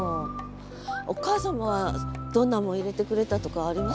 お母様はどんなもん入れてくれたとかあります？